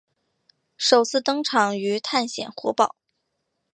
首次登场于探险活宝。